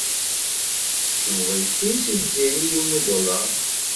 Yuba yefka-as i Tiziri yiwen udulaṛ.